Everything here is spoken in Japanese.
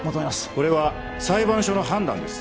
これは裁判所の判断です